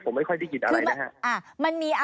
ผมไม่ค่อยได้คิดอะไรนะครับ